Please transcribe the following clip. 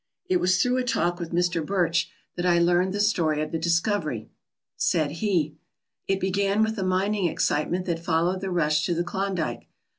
It was through a talk with Mr. Birch that I learned the story of the discovery. Said he: "It began with the mining excitement that followed the rush to the Klondike.